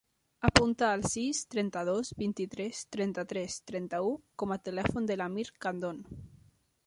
Apunta el sis, trenta-dos, vint-i-tres, trenta-tres, trenta-u com a telèfon de l'Amir Candon.